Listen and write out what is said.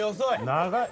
長い！